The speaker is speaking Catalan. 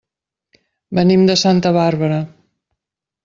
Venim de Santa Bàrbara.